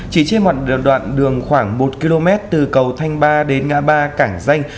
chỉ trên một đoạn đường khoảng một km từ cầu thanh ba đến ngã ba cảng danh